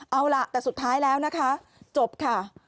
เอาล่ะแต่สุดท้ายแล้วนะคะจบค่ะ